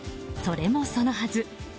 それもそのはず。